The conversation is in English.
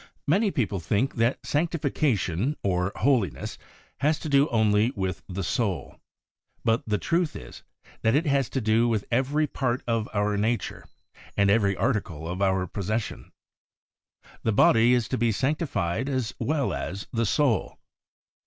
Many people think that Sanctification, or Holiness, has to do only with the soul. But the truth is, that it has to do with every part of our nature, and every article of our possession. The body is to be sanctified as well as the soul.